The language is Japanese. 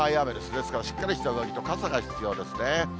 ですからしっかりした上着と傘が必要ですね。